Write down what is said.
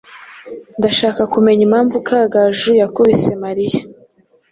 Ndashaka kumenya impamvu Kagaju yakubise Mariya.